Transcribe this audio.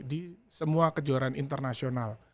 di semua kejuaraan internasional